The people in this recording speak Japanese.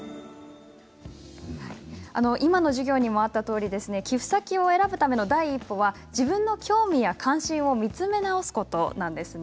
今の授業にもあったとおり寄付先を選ぶための第一歩は自分の興味や関心を見つめ直すことなんです。